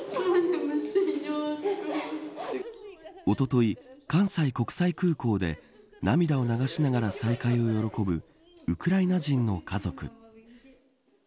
おととい、関西国際空港で涙を流しながら再会を喜ぶウクライナ人の家族。